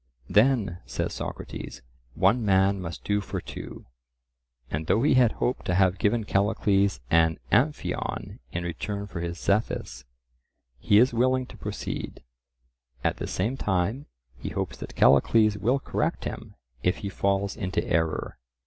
"Then," says Socrates, "one man must do for two;" and though he had hoped to have given Callicles an "Amphion" in return for his "Zethus," he is willing to proceed; at the same time, he hopes that Callicles will correct him, if he falls into error.